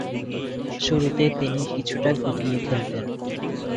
শুরুতে তিনি কিছুটা গুটিয়ে খেলতেন।